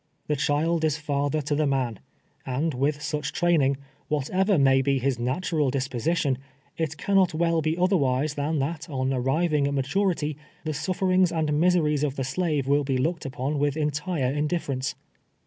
" The child is father to the man," and with such training, whatever may be his natural disposition, it cannot well be otherwise than that, on a: riving at ma turity, the suflerings and miseries of the slave wnll be looked upon with entire indifference.